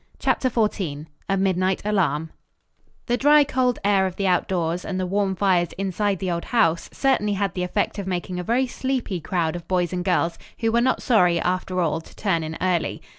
CHAPTER XIV A MIDNIGHT ALARM The dry, cold air of the outdoors, and the warm fires inside the old house, certainly had the effect of making a very sleepy crowd of boys and girls who were not sorry, after all, to turn in early.